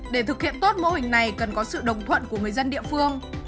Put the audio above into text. để thực hiện tốt mô hình này cần có sự đồng thuận của người dân địa phương